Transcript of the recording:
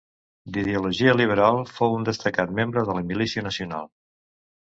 D'ideologia liberal, fou un destacat membre de la Milícia Nacional.